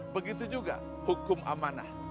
begitu juga hukum amanah